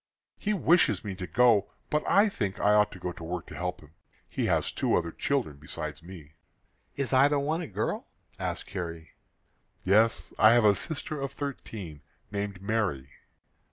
"He wishes me to go, but I think I ought to go to work to help him. He has two other children besides me." "Is either one a girl?" asked Carrie. "Yes; I have a sister of thirteen, named Mary."